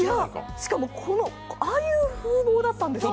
しかもああいう風貌だったんですね。